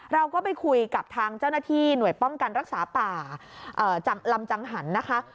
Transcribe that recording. เราก็ไปคุยกับทางเจ้าหน้าที่หน่วยป้องกันรักษาป่าลำจังหันนะคะ